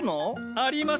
あります。